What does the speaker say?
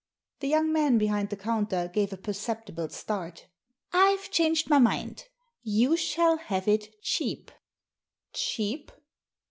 The young man behind the counter gave a perceptible start •'I've changed my mind. You shall have it cheap." "Cheap?'